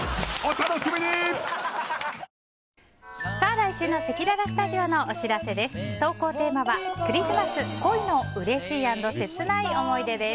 来週のせきららスタジオのお知らせです。